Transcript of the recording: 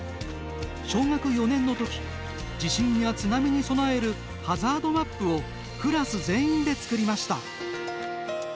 小学４年のとき地震や津波に備えるハザードマップをクラス全員で作りました。